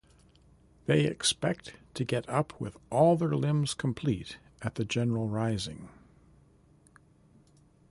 They expect to get up with all their limbs complete at the general rising.